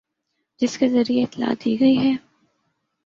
جس کے ذریعے اطلاع دی گئی ہے